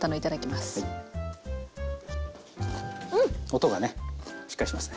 音がねしっかりしてますね。